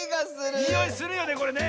においするよねこれね！